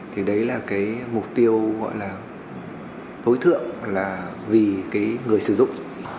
thì đấy là cái mục tiêu gọi là tối thượng là vì cái người sử dụng